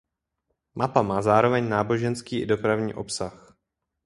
Mapa má zároveň náboženský i dopravní obsah.